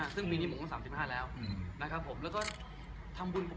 ซึ่งปีนี้ปุ่ม